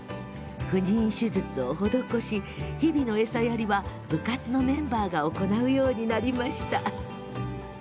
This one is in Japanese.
不妊手術を施し、日々の餌やりは部活のメンバーが行うようになりました。